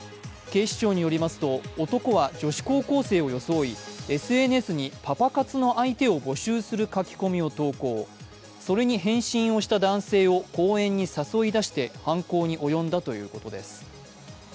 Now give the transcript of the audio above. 警視庁によりますと男は女子高校生を装い、ＳＮＳにパパ活の相手を募集する書き込みを投稿、それに返信をした男性を公園に誘い出して犯行に及んだということです。